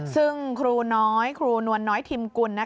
ซึ่งครูน้อยครูนวลน้อยทิมกุล